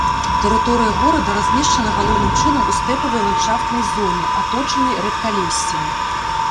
Тэрыторыя горада размешчана галоўным чынам у стэпавай ландшафтнай зоне, аточанай рэдкалессем.